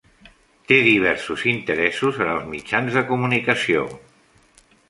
Té diversos interessos en els mitjans de comunicació.